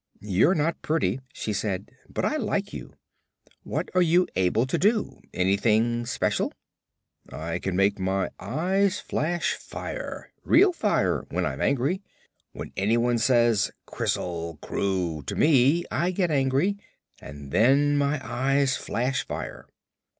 "You're not pretty," she said, "but I like you. What are you able to do; anything 'special?" "I can make my eyes flash fire real fire when I'm angry. When anyone says: 'Krizzle Kroo' to me I get angry, and then my eyes flash fire."